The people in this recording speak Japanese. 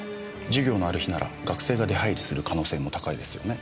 授業のある日なら学生が出入りする可能性も高いですよね。